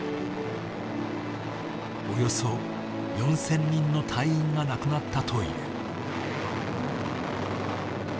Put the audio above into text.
およそ４０００人の隊員が亡くなったという。